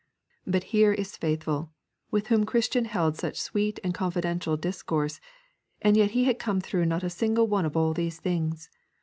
But here is Faithful, with whom Christian held such sweet and confidential discourse, and yet he had come through not a single one of all these things.